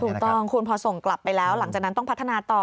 ถูกต้องคุณพอส่งกลับไปแล้วหลังจากนั้นต้องพัฒนาต่อ